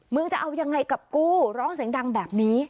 จะเอายังไงกับกูร้องเสียงดังแบบนี้